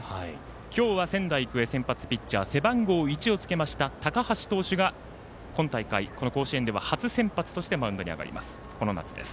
今日は仙台育英、先発背番号１をつけました高橋投手が今大会、甲子園では初先発としてマウンドに上がります。